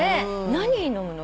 何飲むの？